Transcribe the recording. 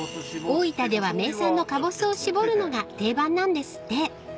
［大分では名産のカボスを搾るのが定番なんですって］